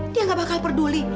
dia nggak bakal peduli